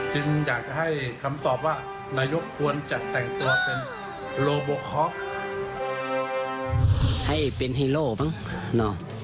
จึงอยากจะให้คำตอบว่านายกควรจะแต่งตัวเป็นโลโบคอล์